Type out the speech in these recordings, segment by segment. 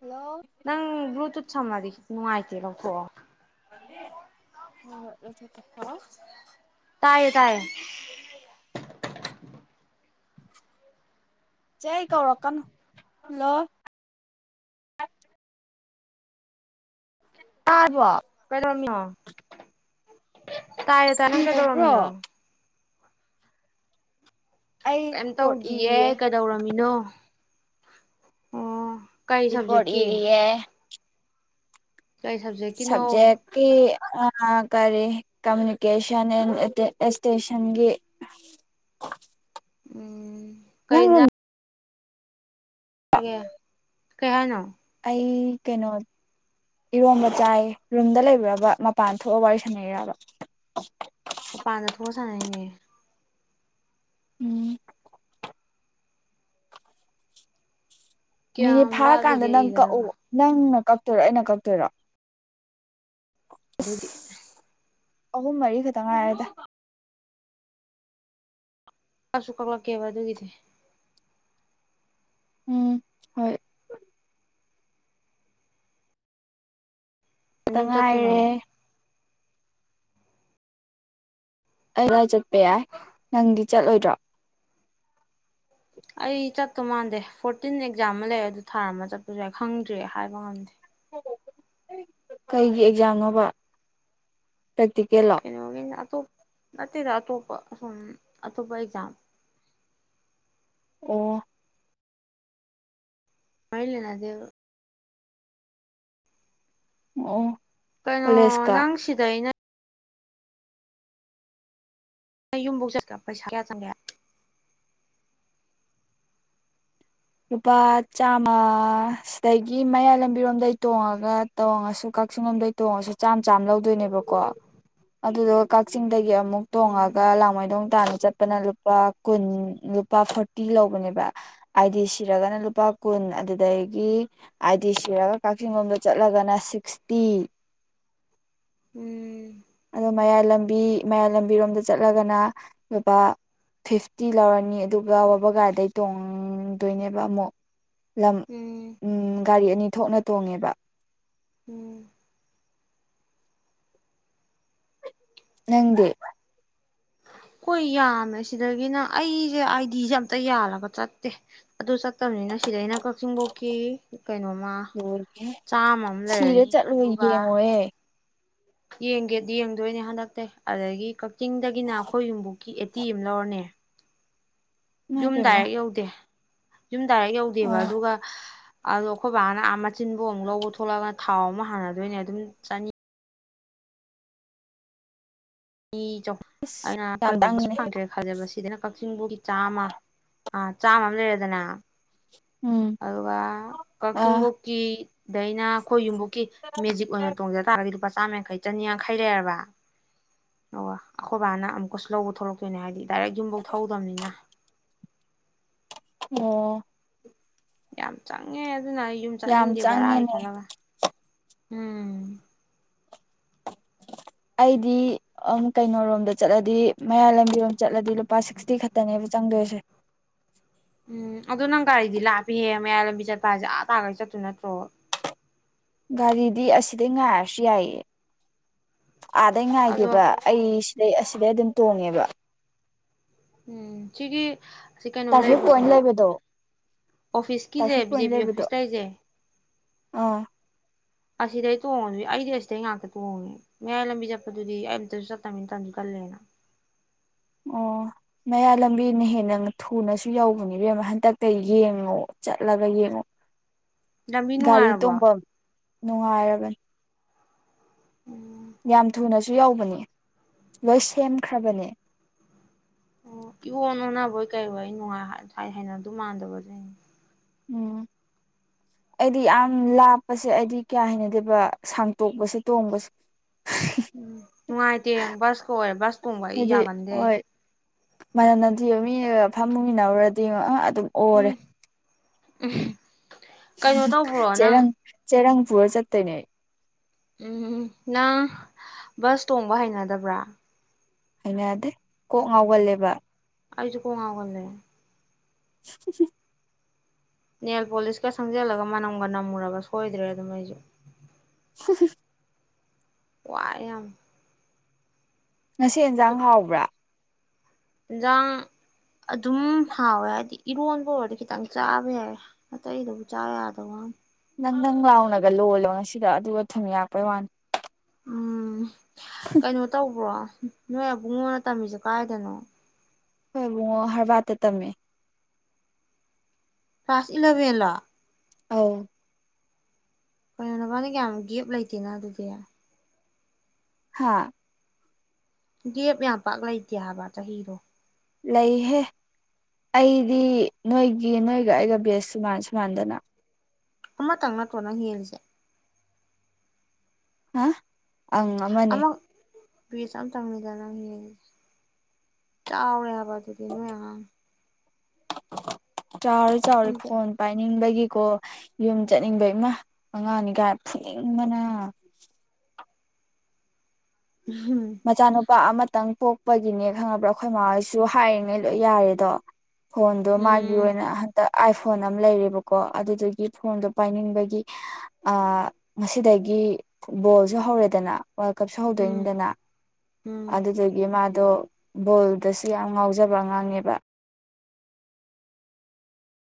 hello ꯅꯪ ꯕꯂꯨꯇꯨꯠ ꯁꯝꯃꯥꯗꯤ ꯅꯨꯡꯉꯥꯏꯇꯦ ꯂꯧꯊꯣꯛꯑꯣ ꯍꯣꯍꯣꯢ ꯂꯧꯇꯣꯛ ꯇꯥꯏꯌꯦ ꯇꯥꯏꯌꯦ ꯆꯦ ꯑꯩ ꯀꯧꯔꯛꯀꯅꯨ ꯍꯜꯂꯣ ꯇꯥꯔꯕꯣ ꯀꯩꯗꯧ ꯔꯝꯃꯤꯅꯣ ꯇꯥꯏꯌꯦ ꯇꯥꯢꯌꯦ ꯀꯔꯤ ꯅꯪ ꯇꯧꯕ꯭ꯔꯣ ꯀꯩꯗꯧꯔꯝꯃꯤꯅꯣ ꯑꯩ ꯀꯩꯝ ꯔꯤꯄꯣꯔꯠ ꯇꯧꯗꯤꯌꯦ ꯏꯔꯤꯌꯦ ꯀꯩꯗꯧꯔꯝꯃꯤꯅꯣ ꯑꯣ ꯀꯩ ꯔꯤ ꯄꯣꯠ ꯁꯕꯖꯦꯛꯀꯤ ꯢꯔꯤꯌꯦ ꯀꯩ ꯁꯕꯖꯦꯛꯀꯤꯅꯣ ꯁꯕꯖꯦꯛꯀꯤ ꯑ ꯀꯔꯤ ꯀꯃꯨꯅꯤꯀꯦꯁꯟ ꯑꯦꯟ ꯑꯦꯁꯇꯦꯁꯟꯒꯤ ꯎꯝ ꯅꯪ ꯔꯨꯡ ꯇꯥꯒꯦ ꯀꯩꯍꯥꯢꯅꯣ ꯑꯩ ꯀꯩꯅꯣ ꯏꯔꯣꯝꯕ ꯆꯥꯏ ꯔꯨꯝꯗ ꯂꯩꯕꯔꯕ ꯃꯄꯥꯟ ꯊꯣꯛꯑꯒ ꯋꯥꯔꯤ ꯁꯥꯟꯅꯩꯔꯕ ꯃꯄꯥꯟꯗ ꯊꯣꯛꯑ ꯁꯟꯅꯩ ꯅꯦ ꯎꯝ ꯀꯌꯥꯝ ꯃꯤꯅꯤꯠ ꯐꯥꯔꯀꯥꯟꯗ ꯋꯥꯠꯂꯤꯒꯦ ꯅꯪ ꯏꯒꯗꯕ ꯀꯛꯑꯣ ꯅꯪꯅ ꯀꯛꯇꯣꯏꯔꯣ ꯑꯩꯅ ꯀꯛꯇꯣꯏꯔꯣ ꯑꯗꯨꯗꯤ ꯑꯁ ꯑꯍꯨꯝ ꯃꯔꯤ ꯈꯛꯇꯪ ꯉꯥꯏꯔꯦꯗ ꯀꯛꯁꯨ ꯀꯛꯂꯛꯀꯦꯕ ꯑꯗꯨꯒꯤꯗꯤ ꯎꯝ ꯍꯣꯏ ꯅꯪ ꯇ ꯌꯨꯝ ꯆꯠꯇꯣꯏꯅꯣ ꯉꯥꯏꯔꯦ ꯑꯩ ꯈꯨꯔꯥꯢ ꯆꯠꯄ ꯌꯥꯏ ꯅꯪꯗꯤ ꯆꯠꯂꯣꯏꯗ꯭ꯔꯣ ꯑꯩ ꯆꯠꯇꯣ ꯃꯥꯟꯗꯦ ꯐꯣꯔꯇꯤꯟ ꯑꯦꯛꯖꯥꯝ ꯑꯃ ꯂꯩ ꯑꯗꯨ ꯊꯥꯔꯃ ꯆꯠꯄꯁꯨ ꯌꯥ ꯈꯪꯗ꯭ꯔꯤ ꯍꯥꯏꯕ ꯉꯝꯗꯦ ꯀꯩꯒꯤ ꯑꯦꯛꯖꯥꯝꯅꯣꯕ ꯄ꯭ꯔꯦꯛꯇꯤꯀꯦꯜꯂꯣ ꯀꯩꯅꯣꯒꯤꯅꯦ ꯑꯇꯣꯞ ꯅꯠꯇꯦꯗ ꯑꯇꯣꯄ ꯁꯨꯝ ꯑꯇꯣꯄ ꯑꯦꯛꯖꯦꯝ ꯑꯣ ꯃꯔꯤ ꯂꯩꯅꯗꯦꯕ ꯑꯣ ꯀꯩꯅꯣ ꯀꯣꯂꯦꯖꯀ ꯅꯪꯁꯤꯗ ꯑꯩꯅ ꯅꯌꯨꯝꯐꯧ ꯆꯠꯄ ꯄꯩꯁꯥ ꯀꯌꯥ ꯆꯪꯒꯦ ꯂꯨꯄꯥ ꯆꯥꯝꯃ ꯁꯤꯗꯒꯤ ꯃꯌꯥꯏ ꯂꯝꯕꯤꯔꯣꯝꯗꯩ ꯇꯣꯡꯉꯒ ꯇꯣꯡꯉꯁꯨ ꯀꯛꯆꯤꯡ ꯂꯣꯝꯗꯩ ꯇꯣꯡꯉꯁꯨ ꯆꯥꯝꯃ ꯆꯥꯝꯃ ꯂꯧꯗꯣꯏꯅꯦꯕꯀꯣ ꯑꯗꯨꯗꯨꯒ ꯀꯛꯆꯤꯡ ꯗꯒꯤ ꯑꯃꯨꯛ ꯇꯣꯡꯉꯒ ꯎꯝ ꯂꯥꯡꯃꯩꯗꯣꯡ ꯇꯅ ꯆꯠꯄꯅ ꯂꯨꯄꯥ ꯀꯨꯟ ꯂꯨꯄꯥ ꯐꯣꯔꯇꯤ ꯂꯧꯕꯅꯦꯕ ꯑꯥꯏꯗꯤ ꯁꯤꯔꯒꯅ ꯂꯨꯄꯥ ꯀꯨꯟ ꯑꯗꯨꯗꯒꯤ ꯑꯥꯏꯗꯤ ꯁꯤꯔꯒ ꯀꯛꯆꯤꯡꯡꯂꯣꯝꯗ ꯆꯠꯂꯒꯅ ꯁꯤꯛꯁꯇꯤ ꯎꯝ ꯑꯗꯣ ꯃꯌꯥꯏ ꯂꯝꯕꯤ ꯃꯌꯥꯏ ꯂꯝꯕꯤꯔꯣꯝꯗ ꯆꯠꯂꯒꯅ ꯂꯨꯄꯥ ꯐꯤꯐꯇꯤ ꯂꯧꯔꯅꯤ ꯑꯗꯨꯒ ꯋꯥꯕꯒꯥꯏꯗꯩ ꯇꯣꯡ ꯑꯗꯨꯣꯏꯅꯦꯕ ꯑꯃꯨꯛ ꯂꯝ ꯎꯝ ꯒꯥꯔꯤ ꯑꯅꯤ ꯊꯣꯛꯅ ꯇꯣꯡꯉꯦꯕ ꯎꯝ ꯅꯪꯗꯤ ꯍꯣꯏ ꯌꯥꯝꯃꯦ ꯁꯤꯗꯒꯤꯅ ꯑꯩꯁꯦ ꯑꯥꯏ ꯗꯤꯁꯦ ꯑꯝꯇ ꯌꯥꯜꯂꯒ ꯆꯠꯇꯦ ꯑꯗꯨ ꯆꯠꯇꯝꯅꯤꯅ ꯁꯤꯗꯩꯅ ꯀꯛꯆꯤꯡ ꯕꯧꯀꯤ ꯀꯩꯅꯣꯃ ꯂꯣꯏꯔꯦꯍꯦ ꯆꯥꯝꯃ ꯑꯃ ꯁꯤꯔ ꯂꯩꯔꯅꯤ ꯆꯠꯂꯨ ꯑꯗꯨꯒ ꯌꯦꯡꯉꯣꯍꯦ ꯌꯦꯡꯒꯦꯗꯤ ꯌꯦꯡꯗꯣꯏꯅꯦ ꯍꯟꯗꯛꯇꯩ ꯑꯗꯒꯤ ꯀꯛꯆꯤꯡꯗꯒꯤꯅ ꯑꯩꯈꯣꯏ ꯌꯨꯝꯕꯨꯛꯀꯤ ꯑꯦꯠꯇꯤ ꯑꯃ ꯂꯧꯔꯅꯦ ꯏꯃꯥꯏ ꯄꯦꯝꯃ ꯌꯨꯝꯗꯥꯏꯔꯦꯛ ꯌꯧꯗꯦ ꯌꯨꯝ ꯗꯥꯏꯔꯦꯛ ꯌꯧꯗꯦꯕ ꯑꯣ ꯑꯗꯨꯒ ꯑꯗꯣ ꯑꯩꯈꯣꯏ ꯕꯥꯅ ꯑꯥ ꯃꯆꯤꯟꯕꯧ ꯑꯃꯨꯛ ꯂꯧꯕ ꯊꯣꯛꯂꯛꯑꯒ ꯊꯥꯎ ꯑꯃꯨꯛ ꯍꯥꯟꯅꯗꯣꯏꯅꯦ ꯑꯗꯨꯝ ꯆꯅꯤ ꯆꯅꯤ ꯆꯍꯨ ꯑꯁ ꯑꯩꯅ ꯌꯥꯝ ꯀꯔꯤꯒꯨꯝꯕ ꯕꯁ ꯇꯥꯡꯉꯤꯅꯦ ꯐꯪꯗ꯭ꯔꯦꯅ ꯈꯂꯁꯦꯕ ꯁꯤꯗꯅ ꯀꯛꯆꯤꯡ ꯕꯧꯒꯤ ꯆꯥꯝꯃ ꯑ ꯆꯥꯃ ꯑꯃ ꯂꯩꯔꯦꯗꯅ ꯎꯝ ꯑꯗꯨꯒ ꯑꯥ ꯀꯛꯆꯤꯡꯕꯣꯛꯀꯤ ꯗꯩꯅ ꯑꯩꯈꯣꯏ ꯌꯨꯝꯕꯨ ꯀꯤ ꯃꯦꯖꯤꯛ ꯑꯣꯏꯅ ꯇꯣꯡꯖ ꯇꯔꯥꯒꯗꯤ ꯂꯨꯄꯥ ꯆꯥꯝꯌꯥꯡꯈꯩ ꯆꯅꯤ ꯌꯥꯡꯈꯩ ꯂꯩꯔꯕ ꯑꯣ ꯑꯩꯈꯣꯏ ꯕꯥꯅ ꯑꯃꯨꯛꯀꯁꯨ ꯂꯧꯕ ꯊꯣꯛꯂꯛꯇꯣꯏꯅꯦ ꯍꯥꯏꯗꯤ ꯗꯥꯏꯔꯦꯛ ꯌꯨꯝꯐꯧ ꯊꯧꯍꯗꯝꯅꯤꯅ ꯑꯣ ꯌꯥꯝ ꯆꯪ ꯉꯦ ꯑꯗꯨꯅ ꯑꯩ ꯌꯨꯝ ꯌꯥꯝ ꯆꯠꯅꯤꯡꯗꯦ ꯕꯔꯥꯒꯤ ꯆꯪꯉꯦꯅꯦ ꯈꯜꯂꯒ ꯎꯝ ꯑꯩꯗꯤ ꯑꯃꯨꯛ ꯀꯩꯅꯣꯔꯣꯝꯗ ꯆꯠꯂꯗꯤ ꯃꯌꯥꯏ ꯂꯝꯕꯤꯔꯣꯝꯗ ꯆꯠꯂꯗꯤ ꯂꯨꯄꯥ ꯁꯤꯛꯁꯇꯤ ꯈꯛꯇꯅꯦꯕ ꯆꯪꯗꯣꯏꯁꯦ ꯎꯝ ꯑꯗꯨ ꯅꯪ ꯒꯥꯔꯤꯗꯤ ꯂꯥꯛꯄꯤꯍꯦ ꯃꯌꯥꯏ ꯂꯝꯕꯤ ꯆꯠꯄ ꯍꯥꯏꯁꯦ ꯑꯥ ꯇꯥꯟꯅ ꯆꯠꯇꯣꯢ ꯅꯠꯇ꯭ꯔꯣ ꯒꯥꯔꯤꯗꯤ ꯑꯁꯤꯗꯩ ꯉꯥꯏꯔꯁꯨ ꯌꯥꯏꯌꯦ ꯑꯥꯗꯩ ꯑꯗꯣ ꯉꯥꯏꯒꯦꯕ ꯑꯩ ꯑꯗꯩ ꯑꯁꯤꯗꯩ ꯑꯗꯨꯝ ꯇꯣꯡꯉꯦꯕ ꯎꯝ ꯁꯤꯒꯤ ꯁꯤ ꯀꯩꯅꯣ ꯇ꯭ꯔꯥꯐꯤꯛ ꯄꯣꯏꯟ ꯂꯩꯕꯁꯦ ꯂꯩꯕꯗꯣ ꯑꯣꯐꯤꯁꯀꯤꯁꯦ ꯇ꯭ꯔꯥꯐꯤꯛ ꯕꯤ ꯄꯣꯏꯟ ꯖꯦ ꯄꯤ ꯂꯩꯕꯗꯣ ꯑꯣꯐꯤꯁ ꯂꯩꯁꯦ ꯑꯥ ꯑꯁꯤꯗꯩ ꯇꯣꯡꯉꯁꯨ ꯑꯩꯗꯤ ꯑꯁꯤꯗꯩ ꯉꯥꯛꯇ ꯇꯣꯡꯉꯦ ꯃꯌꯥꯏ ꯂꯝꯕꯤ ꯆꯠꯄꯗꯨꯗꯤ ꯑꯩꯑꯝꯇꯁꯨ ꯆꯠꯇꯝꯅꯤꯅ ꯇꯟꯁꯨ ꯇꯜꯂꯦꯅ ꯑꯣ ꯃꯌꯥꯢ ꯂꯝꯕꯤꯅ ꯍꯦꯟꯅ ꯊꯨꯅꯁꯨ ꯌꯧꯕꯅꯦ ꯢꯕꯦꯝꯃ ꯍꯟꯗꯛꯇꯩ ꯌꯦꯡꯉꯣ ꯆꯠꯂꯒ ꯌꯦꯡꯉꯣ ꯂꯝꯕꯤ ꯅꯨꯡꯉꯥꯏꯔꯕꯣ ꯅꯨꯡꯉꯥꯏꯔꯕꯅꯦ ꯎꯝ ꯌꯥꯝ ꯊꯨꯅꯁꯨ ꯌꯧꯕꯅꯤ ꯂꯣꯏ ꯁꯦꯝꯈ꯭ꯔꯕꯅꯦ ꯑꯣ ꯏꯑꯣꯟ ꯑꯣꯟꯅꯕꯣꯏ ꯀꯩꯑꯣꯏ ꯅꯨꯡꯉꯥꯏ ꯍꯥꯏ ꯍꯩꯅꯗꯣꯢ ꯃꯥꯟꯗꯕ ꯑꯗꯨꯢꯅꯦ ꯎꯝ ꯑꯩꯗꯤ ꯌꯥꯝ ꯂꯥꯞꯄꯁꯦ ꯑꯩꯗꯤ ꯀꯌꯥ ꯍꯩꯅꯗꯦꯕ ꯁꯥꯡꯇꯣꯛꯄꯁꯦ ꯇꯣꯡꯕꯁꯦ ꯅꯨꯡꯉꯥꯏꯇꯦ ꯕꯁꯀ ꯑꯣꯏꯔꯦ ꯕꯁ ꯇꯣꯡꯕ ꯑꯩ ꯍꯥꯏꯗꯤ ꯌꯥꯒꯟꯗꯦ ꯍꯣꯏ ꯐꯝꯃꯨ ꯢꯟꯅꯧꯔꯗꯤ ꯑ ꯗꯨꯝ ꯑꯣꯔꯦ ꯎꯝ ꯀꯩꯅꯣ ꯇꯧꯕ꯭ꯔꯣ [inaudible] ꯅꯪ ꯆꯦꯔꯪ ꯆꯦꯔꯪ ꯄꯨꯔꯥ ꯆꯠꯇꯣꯢꯅꯦ ꯑꯩ ꯎꯝ ꯅꯪ ꯕꯁ ꯇꯣꯡꯕ ꯍꯩꯅꯗꯕ꯭ꯔ ꯍꯩꯅꯗꯦ ꯀꯣꯛ ꯉꯥꯎꯒꯜꯂꯦꯕ ꯑꯩꯁꯨ ꯀꯣꯛ ꯉꯥꯎꯒꯜꯂꯦ [inaudible] ꯅꯦꯜ ꯄꯣꯂꯤꯁꯀ ꯁꯪꯖꯜꯂꯒ ꯃꯅꯝꯒ ꯅꯝꯃꯨꯔꯕ ꯁꯣꯏꯗ꯭ꯔꯦ ꯑꯗꯨꯝ ꯑꯩꯁꯨ [inaudible] ꯋꯥꯢ ꯌꯥꯝ ꯉꯥꯁꯤ ꯑꯦꯟꯖꯥꯡ ꯍꯥꯎꯕ꯭ꯔ ꯏꯟꯁꯥꯡ ꯑꯗꯨꯝ ꯍꯥꯎꯋꯦ ꯍꯥꯏꯗꯤ ꯏꯔꯣꯟꯕ ꯑꯣꯏꯔꯗꯤ ꯈꯤꯇꯪ ꯆꯥꯕ ꯌꯥꯏ ꯑꯇꯩꯗꯕꯨ ꯆꯥ ꯌꯥꯗꯕ ꯋꯥꯅꯦ ꯅꯪ ꯅꯪ ꯂꯥꯎꯅꯒ ꯂꯣꯜꯂꯣ ꯉꯥꯁꯤꯗꯣ ꯑꯗꯨꯒ ꯊꯨꯝ ꯌꯥꯛꯄꯩ ꯋꯥꯅꯤ ꯎꯝ ꯀꯩꯅꯣ ꯇꯧꯕ꯭ꯔꯣ ꯅꯣꯏ ꯑꯕꯨꯡꯉꯣꯅ ꯇꯝꯃꯤꯁꯦ ꯀꯥꯏꯗꯅꯣ ꯈꯣꯏ ꯑꯕꯨꯡꯉꯣ ꯍꯔꯕꯥꯔꯠꯇ ꯇꯝꯃꯦ ꯀ꯭ꯂꯥꯁ ꯏꯂꯚꯦꯟꯂꯣ ꯑꯧ ꯀꯩꯅꯣ ꯅꯕꯅꯤ ꯌꯥꯝ ꯒꯦꯞ ꯂꯩꯇꯦꯅ ꯑꯗꯨꯗꯤ ꯍꯥꯥ ꯒꯦꯞ ꯌꯥꯝ ꯄꯥꯛ ꯂꯩꯇꯦ ꯍꯥꯏꯕ ꯆꯍꯤꯗꯣ ꯂꯩꯍꯦ ꯑꯩꯗꯤ ꯅꯣꯏꯒꯤ ꯅꯣꯢꯒ ꯑꯩꯒ ꯕꯦꯁ ꯃꯥꯟꯁꯨ ꯃꯥꯟꯅꯗꯅ ꯑꯃꯇꯪ ꯅꯠꯇ꯭ꯔꯣ ꯅꯪ ꯍꯦꯜꯂꯤꯁꯦ ꯍꯥ ꯑꯪ ꯑꯃꯅꯦ ꯑꯃ ꯕꯦꯁ ꯑꯃꯇꯪꯅꯤꯗ ꯅꯪ ꯍꯦꯜꯂꯤꯁꯦ ꯆꯥꯎꯔꯦ ꯍꯥꯏꯕ ꯑꯗꯨꯗꯤ ꯅꯣꯏ ꯑꯉꯥꯡ [inaudible] ꯆꯥꯎꯔꯦ ꯆꯥꯎꯔꯦ ꯅꯣꯏꯗꯤ ꯐꯣꯟ ꯄꯥꯏꯅꯤꯡꯕꯩ ꯒꯤꯀꯣ ꯌꯨꯝ ꯆꯠꯅꯤꯡꯕꯩ ꯃꯥ ꯑꯉꯥꯡꯅꯤ ꯀꯥꯏꯅ ꯐꯨꯅꯤꯡꯕꯅ ꯃꯆꯥꯅꯨꯄꯥ ꯑꯃꯇꯪ ꯄꯣꯛꯄꯒꯤꯅꯦ ꯈꯪꯉꯕ꯭ꯔꯥ ꯑꯩꯈꯣꯏ ꯃꯥꯃꯥꯩꯁꯨ ꯍꯥꯏꯔꯤꯉꯩ ꯂꯣꯏ ꯌꯥꯔꯦꯗꯣ ꯐꯣꯟꯗꯣ ꯃꯥꯒꯤ ꯎꯝ ꯑꯣꯏꯅ ꯍꯟꯇꯛ ꯑꯥꯏꯐꯣꯟ ꯑꯃ ꯂꯩꯔꯦꯕꯀꯣ ꯑꯗꯨꯗꯨꯒꯤ ꯐꯣꯟꯗꯣ ꯄꯥꯏꯅꯤꯡꯕꯒꯤ ꯉꯁꯤꯗꯒꯤ ꯕꯣꯜꯁꯨ ꯍꯧꯔꯦꯗꯅ ꯋꯥꯔꯜꯀꯞꯁꯨ ꯎꯝ ꯍꯧꯗꯣꯏꯅꯤꯗꯅ ꯎꯝ ꯑꯗꯨꯗꯒꯤ ꯃꯥꯗꯣ ꯕꯣꯜꯗꯁꯨ ꯌꯥꯝ ꯉꯥꯎꯖꯕ ꯑꯉꯥꯡꯅꯦꯕ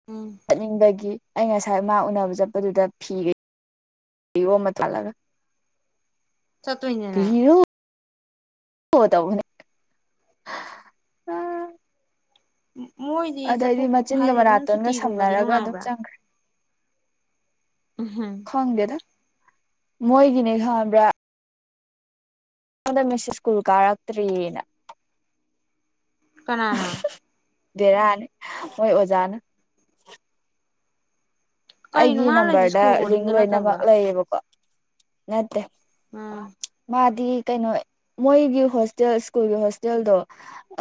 ꯎꯝ ꯆꯠꯅꯤꯡꯕꯒꯤ ꯑꯩ ꯉꯁꯥꯏ ꯃꯥ ꯎꯅꯕ ꯆꯠꯄꯗꯨꯗ ꯐꯤꯒ ꯌꯣꯝꯃ [unintelligible] ꯆꯠꯇꯣꯏꯅꯦꯅ [unintelligible] ꯃꯣꯏꯗꯤ ꯆꯠꯊꯣꯛ ꯑꯗꯩꯗꯤ ꯃꯆꯤꯟꯒ ꯍꯥꯏꯗꯤ ꯑꯗꯨꯝ ꯃꯅꯥꯇꯣꯟꯒ ꯁꯨꯇꯤꯒꯨꯝꯕꯗꯤ ꯁꯝꯅꯔꯒ ꯑꯗꯨꯝ ꯅꯨꯡꯉꯥꯏꯕ꯭ꯔꯥ ꯆꯪꯈ꯭ꯔꯦ ꯎꯝꯍꯨꯝ ꯈꯪꯗꯦꯗ ꯃꯣꯏꯗꯤꯅꯦ ꯈꯪꯉꯕꯔꯥ ꯃꯉꯣꯟꯗ ꯃꯤꯁꯁ ꯁ꯭ꯀꯨꯜ ꯀꯥꯔꯛꯇ꯭ꯔꯤꯅ ꯀꯅꯥꯅ ꯕꯦꯔꯥꯅꯤ ꯃꯣꯏ ꯑꯣꯖꯥꯅ ꯀꯩꯅꯣ ꯑꯩꯒꯤ ꯃꯥꯅ ꯂꯩꯔꯤꯁꯦ ꯅꯝꯕꯔꯗ ꯁ꯭ꯀꯨꯜ ꯂꯤꯡ ꯕꯣꯔꯗꯤꯡꯗ ꯂꯣꯏꯅꯃꯛ ꯅꯠꯇꯕ꯭ꯔꯥ ꯂꯩꯌꯦꯕꯀꯣ ꯅꯠ ꯎꯝ ꯃꯥꯗꯤ ꯀꯩꯅꯣ ꯃꯣꯏꯒꯤ ꯍꯣꯁꯇꯦꯜ ꯁ꯭ꯀꯨꯜꯒꯤ ꯍꯣꯁꯇꯦꯜꯗꯣ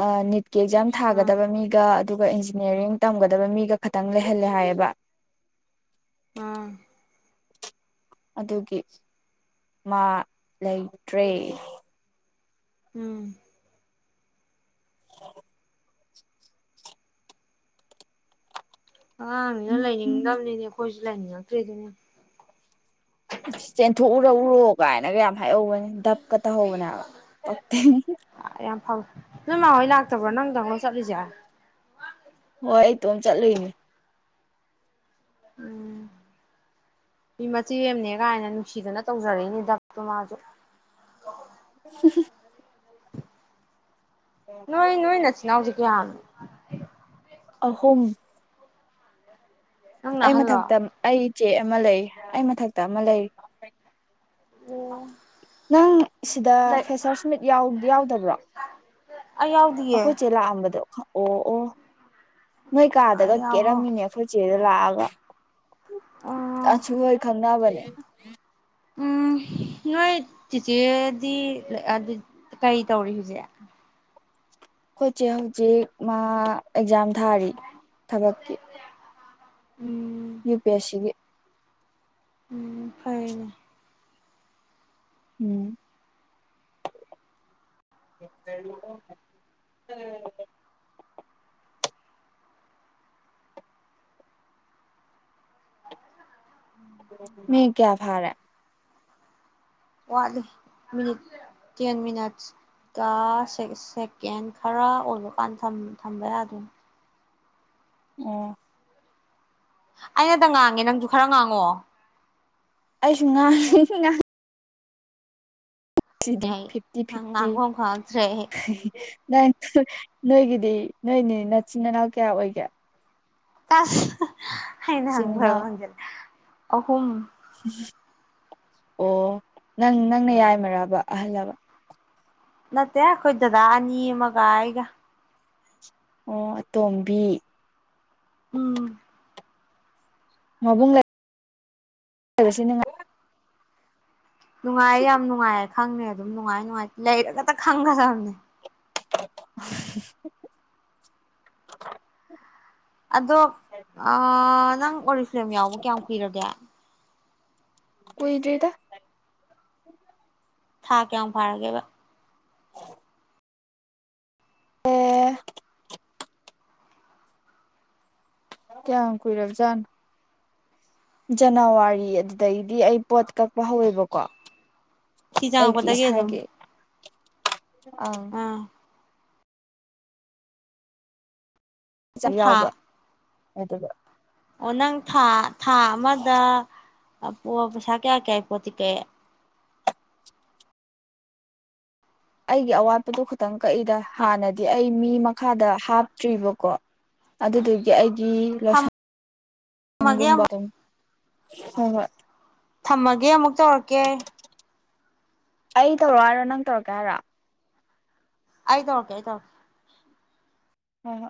ꯑ ꯅꯤꯠ ꯀ ꯑꯦꯛꯖꯥꯝ ꯎꯝ ꯊꯥꯒꯗꯕ ꯃꯤꯒ ꯑꯗꯨꯒ ꯏꯟꯖꯤꯅꯤꯌꯥꯔꯤꯡ ꯇꯝꯒꯗꯕ ꯃꯤꯒ ꯈꯇꯪ ꯂꯩꯍꯜꯂꯦ ꯍꯥꯏꯌꯦꯕ ꯎꯝ ꯑꯗꯨꯒꯤ ꯃꯥ ꯂꯩꯇ꯭ꯔꯦ ꯎꯝ ꯑꯉꯥꯡꯅꯤꯅ ꯂꯩꯅꯤꯡꯗꯕꯅꯤꯅꯦ ꯑꯩꯈꯣꯏꯁꯨ ꯂꯩꯅꯤꯡꯉꯛꯇ꯭ꯔꯤꯗꯨꯅꯦ ꯎꯎꯔꯣ ꯀꯥꯏꯅꯒ ꯌꯥꯝ ꯍꯥꯏꯍꯧꯕꯅꯦ ꯗꯞꯀ ꯍꯧꯕꯅꯦ ꯍꯥꯏꯕ ꯄꯛꯇꯦ ꯌꯥꯝ ꯐꯕ ꯅꯣꯏ ꯃꯥ ꯍꯣꯏ ꯂꯥꯛꯇꯕ꯭ꯔꯣ ꯅꯪ ꯗꯪꯂꯣ ꯆꯠꯂꯤꯁꯦ ꯍꯣꯏ ꯑꯩꯇꯣꯝ ꯆꯠꯂꯨꯏꯅꯦ ꯎꯝ ꯃꯤ ꯃꯆꯦ ꯑꯃꯅꯦ ꯀꯥꯏꯅ ꯅꯨꯡꯁꯤꯗꯅ ꯇꯧꯖꯔꯛꯏꯅꯦ ꯗꯞꯇꯣ ꯃꯥꯁꯨ ꯍꯨꯝ ꯍꯨꯝ ꯅꯣꯏ ꯅꯣꯏ ꯅꯁꯤ ꯅꯥꯎꯖꯦ ꯀꯌꯥꯅꯣ ꯑꯍꯨꯝ ꯅꯪꯅ ꯑꯩ ꯑꯍꯜꯂꯣ ꯃꯊꯛꯇ ꯑꯩ ꯆꯦ ꯑꯃ ꯂꯩ ꯑꯩ ꯃꯊꯛꯇ ꯑꯃ ꯂꯩꯔꯤ ꯑꯣ ꯅꯪ ꯁꯤꯗ ꯂꯩ ꯐꯦꯁꯔꯁ ꯃꯤꯠ ꯌꯥꯎ ꯌꯥꯎꯗꯕ꯭ꯔꯣ ꯑꯩ ꯌꯥꯎꯗꯤꯌꯦ ꯑꯈꯣꯏ ꯆꯦ ꯂꯥꯛꯑꯝꯕꯗꯣ ꯑꯣ ꯑꯣ ꯅꯣꯏ ꯑꯩ ꯀꯥꯗꯒ ꯌꯥꯎꯍꯧ ꯀꯦꯔꯝꯃꯤꯅꯦ ꯑꯩꯈꯣꯏ ꯆꯦꯗꯣ ꯂꯥꯛꯑꯒ ꯑꯣ ꯗꯥꯁꯨꯍꯣꯏ ꯈꯪꯅꯕꯅꯦ ꯎꯝ ꯅꯣꯏ ꯆꯤꯆꯦꯗꯤ ꯑ ꯗꯤ ꯀꯔꯤ ꯇꯧꯔꯤ ꯍꯧꯖꯤꯛ ꯑꯩꯈꯣꯏꯆꯦ ꯍꯧꯖꯤꯛ ꯃꯥ ꯑꯦꯛꯖꯥꯝ ꯊꯥꯔꯤ ꯊꯕꯛꯀꯤ ꯎꯝ ꯌꯨ ꯄꯤ ꯑꯦꯁ ꯁꯤ ꯒꯤ ꯎꯝ ꯐꯔꯦꯅꯦ ꯎꯝ ꯃꯤ ꯀꯌꯥ ꯐꯔꯦ ꯋꯥꯠꯂꯤ ꯃꯤꯅꯤꯠ ꯇꯦꯟ ꯃꯤꯅꯠꯁꯀ ꯁꯦꯀꯦꯟ ꯈꯔ ꯑꯣꯏꯕ ꯀꯥꯟ ꯊꯝꯕ ꯌꯥꯗꯣꯏꯅꯤ ꯑꯣ ꯑꯩꯅꯗ ꯉꯥꯡꯉꯦ ꯅꯪꯁꯨ ꯈꯔ ꯉꯥꯡꯑꯣ ꯑꯩꯁꯨ ꯉ ꯂꯩ ꯉ ꯁꯤꯗꯤ ꯑꯩ ꯐꯤꯐꯇꯤ ꯐꯤꯐꯇꯤ ꯉꯥꯡꯕ ꯑꯃ ꯈꯪꯉꯛꯇ꯭ꯔꯦ ꯑꯩ ꯅꯪ ꯅꯣꯏꯒꯤꯗꯤ ꯅꯣꯏꯅꯤ ꯅꯆꯤꯟ ꯃꯅꯥꯎ ꯀꯌꯥ ꯑꯣꯏꯒꯦ ꯑꯁ ꯑꯩꯅ ꯏꯆꯤꯟ ꯍꯪꯕ ꯏꯅꯥꯎ ꯍꯩꯕ ꯍꯪꯖꯜꯂꯛꯑꯦ ꯑꯍꯨꯝ ꯑꯣ ꯅꯪ ꯅꯪꯅ ꯌꯥꯏꯃꯔꯕ ꯑꯍꯜꯂꯕ ꯅꯠꯇꯦ ꯑꯩꯈꯣꯏꯗꯥꯗꯥ ꯑꯅꯤ ꯑꯃꯒ ꯑꯩꯒ ꯑꯣ ꯑꯇꯣꯝꯕꯤ ꯎꯝ ꯃꯕꯨꯡ ꯂꯩꯕꯁꯤ ꯅꯨꯡꯉꯥꯏ ꯅꯨꯡꯉꯥꯏ ꯌꯥꯝ ꯅꯨꯡꯉꯥꯏ ꯈꯪꯅꯤ ꯑꯗꯨꯝ ꯅꯨꯡꯉꯥꯏ ꯅꯨꯡꯉꯥꯏ ꯂꯩꯔꯒꯇ ꯈꯪꯒꯗꯕꯅꯦ [inaudible] ꯑꯗꯣ ꯑ ꯅꯪ ꯑꯣꯔꯤꯐ꯭ꯂꯦꯝ ꯌꯥꯎꯕ ꯀꯌꯥꯝ ꯀꯨꯏꯔꯒꯦ ꯀꯨꯏꯗ꯭ꯔꯤꯗ ꯊꯥ ꯀꯌꯥꯃꯨꯛ ꯐꯥꯔꯒꯦꯕ ꯑꯦ ꯀꯌꯥꯝ ꯀꯨꯏꯔꯕꯖꯥꯠꯅꯣ ꯖꯅꯋꯥꯔꯤ ꯑꯗꯨꯗꯒꯤꯗꯤ ꯑꯩ ꯄꯣꯠ ꯀꯛꯄ ꯍꯧꯋꯦꯕꯀꯣ ꯁꯤ ꯑꯩꯒꯤ ꯆꯪꯉꯛꯄꯗꯒꯤ ꯑꯗꯨꯝ ꯏꯁꯥꯒꯤ ꯑꯪ ꯑꯥ ꯅꯪ ꯌꯥꯎꯕ ꯑꯗꯨꯒ ꯑꯣꯅꯪ ꯊꯥ ꯊꯥ ꯑꯃꯗ ꯍꯄꯣ ꯄꯩꯁꯥ ꯀꯌꯥ ꯀꯌꯥꯒꯤ ꯄꯣꯠꯇꯤ ꯀꯛꯑꯦ ꯑꯩꯒꯤ ꯑꯋꯥꯠꯄꯗꯨ ꯈꯤꯇꯪ ꯀꯛꯏꯗ ꯍꯥꯟꯅꯗꯤ ꯑꯩ ꯃꯤ ꯃꯈꯥꯗ ꯍꯥꯞꯇ꯭ꯔꯤꯕꯀꯣ ꯑꯗꯨꯗꯨꯒꯤ ꯑꯩꯒꯤ ꯂꯣꯏꯁꯟ ꯊꯝꯃꯒꯦ ꯑꯃꯨꯛ [unintelligible] ꯍꯣ ꯍꯣꯏ ꯊꯝꯃꯒꯦ ꯑꯃꯨꯛ ꯇꯧꯔꯛꯀꯦ ꯑꯩ ꯇꯧꯔꯛꯑꯣ ꯍꯥꯏꯔꯣ ꯅꯪ ꯇꯧꯔꯛꯀꯦ ꯍꯥꯏꯔꯣ ꯑꯩ ꯇꯧꯔꯛꯀꯦ ꯑꯩ ꯇꯧꯔꯛꯀꯦ ꯍꯣ ꯍꯣ